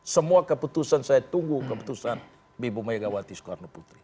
semua keputusan saya tunggu keputusan bi ibu megawati soekarno putri